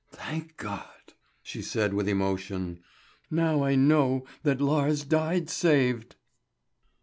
"Thank God!" she said with emotion. "Now I know that Lars died saved."